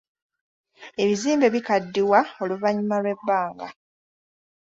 Ebizimbe bikaddiwa oluvannyuma lw'ebbanga.